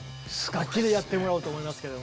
楽器でやってもらおうと思いますけども。